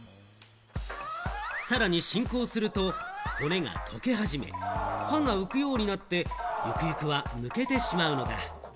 さらに進行すると、骨が溶け始め、歯が浮くようになって、ゆくゆくは抜けてしまうのだ。